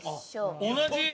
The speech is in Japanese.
同じ！？